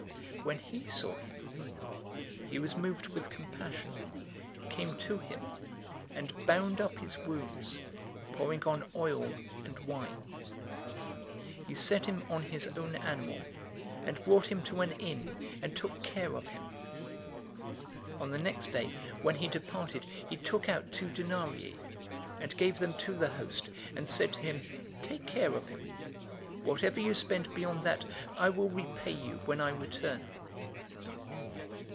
When he saw him, he was moved with compassion, 010:034 came to him, and bound up his wounds, pouring on oil and wine. He set him on his own animal, and brought him to an inn, and took care of him. 010:035 On the next day, when he departed, he took out two denarii, and gave them to the host, and said to him, 'Take care of him. Whatever you spend beyond that, I will repay you when I return.'